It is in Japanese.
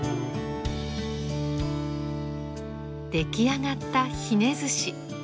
出来上がったひねずし。